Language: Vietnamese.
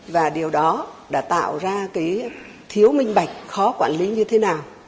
và điều đó đã tạo ra cái thiếu minh bạch khó quản lý như thế nào